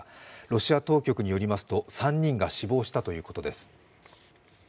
ロシア当局によりますと、３人が死亡したということです。